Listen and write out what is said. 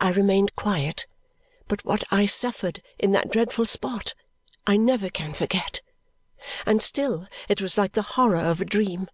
I remained quiet, but what I suffered in that dreadful spot I never can forget. And still it was like the horror of a dream.